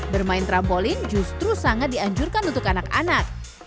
bermain trampolin justru sangat dianjurkan untuk anak anak